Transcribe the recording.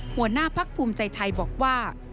หัวหน้าพักภูมิใจไทยบอกว่า